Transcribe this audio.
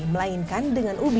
melainkan dengan ubi